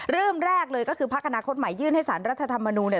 เริ่มแรกภักดาคมโมยื่นให้สารรัฐธรรมนูญ